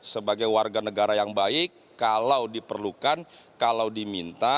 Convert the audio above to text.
sebagai warga negara yang baik kalau diperlukan kalau diminta